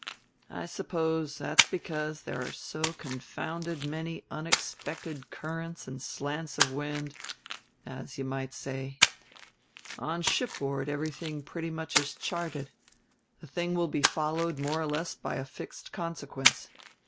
I suppose that's because there are so confounded many unexpected currents and slants of wind, as you might say. On shipboard everything pretty much is charted; a thing will be followed more or less by a fixed consequence.